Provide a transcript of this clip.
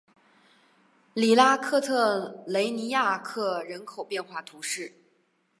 里拉克特雷尼亚克人口变化图示